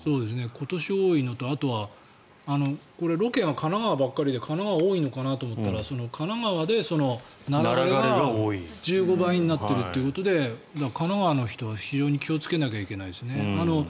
今年、多いのとあとはロケが神奈川ばかりで神奈川は多いのかなと思ったら神奈川でナラ枯れが１５倍になっているということで神奈川の人は非常に気をつけないといけないですね。